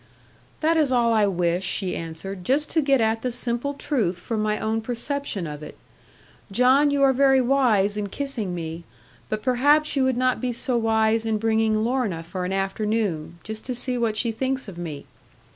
'That is all I wish,' she answered; 'just to get at the simple truth from my own perception of it. John, you are very wise in kissing me; but perhaps you would not be so wise in bringing Lorna for an afternoon, just to see what she thinks of me.